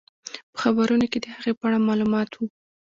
په خبرونو کې د هغې په اړه معلومات وو.